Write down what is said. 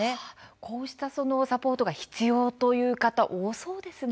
こうしたサポートが必要という方、多そうですね。